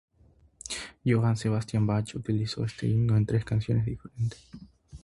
Johann Sebastian Bach utilizó este himno en tres cantatas diferentes.